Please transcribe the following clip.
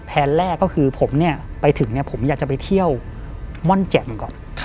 ก็แผนแรกก็คือผมไปถึงผมอยากจะไปเที่ยวม่อนแจ่มก่อน